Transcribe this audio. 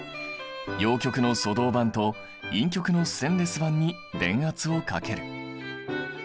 陽極の粗銅板と陰極にステンレス板に電圧をかける。